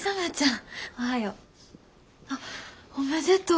あっおめでとう。